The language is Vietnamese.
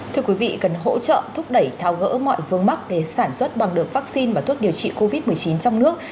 thưa quý vị cần hỗ trợ thúc đẩy thao gỡ mọi vương mắc để sản xuất bằng được vaccine và thuốc điều trị covid một mươi chín trong nước